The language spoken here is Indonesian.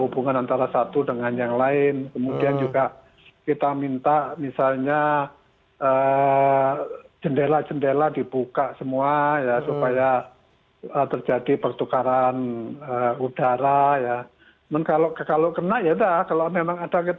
beda dengan pabrik ya